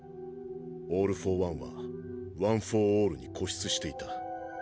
オール・フォー・ワンはワン・フォー・オールに固執していた。